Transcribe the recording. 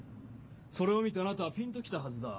それを見てあなたはぴんときたはずだ。